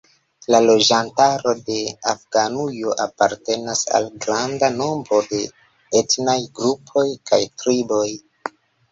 La loĝantaro de Afganujo apartenas al granda nombro de etnaj grupoj kaj triboj.